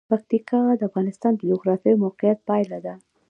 پکتیکا د افغانستان د جغرافیایي موقیعت پایله ده.